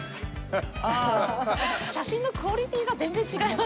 写真のクオリティーが全然違いますよね。